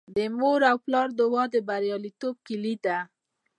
د مور او پلار دعا د بریالیتوب کیلي ده.